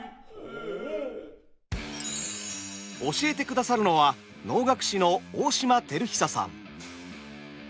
教えてくださるのは能楽師の大島輝久さん。